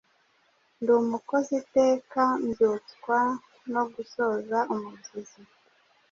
Nd’umukozi iteka mbyutswa no gusoza umubyizi